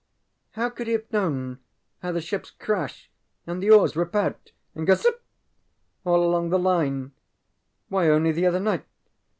ŌĆÖŌĆØ ŌĆ£How could he have known how the ships crash and the oars rip out and go z zzp all along the line? Why only the other night....